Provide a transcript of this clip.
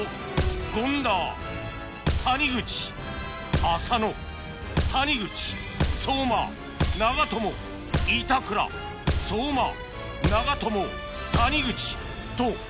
権田谷口浅野谷口相馬長友板倉相馬長友谷口と１０回も